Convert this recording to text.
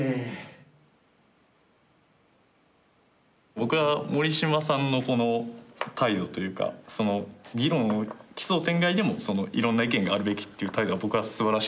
僕は森嶋さんのこの態度というか議論奇想天外でもいろんな意見があるべきという態度は僕はすばらしいなと思いました。